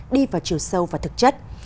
đi vào chiều sâu và thực chất